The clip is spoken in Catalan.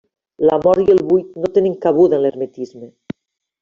La mort i el buit no tenen cabuda en l'hermetisme.